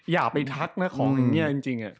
อย่าไปทักนะของแบบนี้จริง